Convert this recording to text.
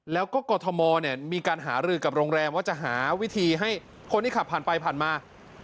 แล้วก็กรทมมีการหารือกับโรงแรมว่าจะหาวิธีให้คนที่ขับผ่านไปผ่านมา